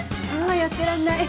あやってらんない。